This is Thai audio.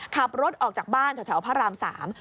ขับรถออกจากบ้านแถวพระรามสาม